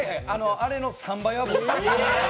あれの３倍は。